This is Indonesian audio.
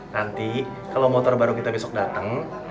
nanti kalau motor baru kita besok datang